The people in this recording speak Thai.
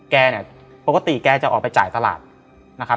แกเนี่ยปกติแกจะออกไปจ่ายตลาดนะครับ